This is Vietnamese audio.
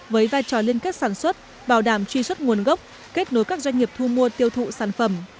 với vai trò liên kết sản xuất bảo đảm truy xuất nguồn gốc kết nối các doanh nghiệp thu mua tiêu thụ sản phẩm